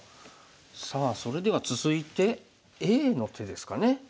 さあそれでは続いてＡの手ですかね。